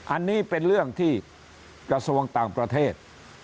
อันนี้เป็นเรื่องที่กระทรวงต่างประเทศ